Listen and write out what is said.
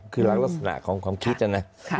คือรักลักษณะของความคิดนะนะ